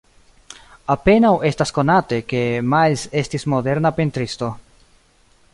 Apenaŭ estas konate, ke Miles estis moderna pentristo.